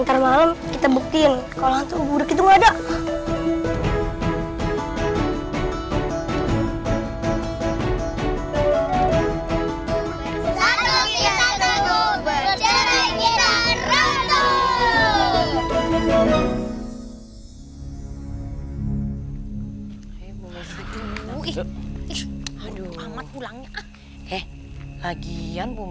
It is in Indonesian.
ntar malem kita buktiin kalau hantu budok itu gak ada